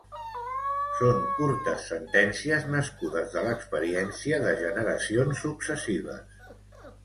Són curtes sentències nascudes de l'experiència de generacions successives .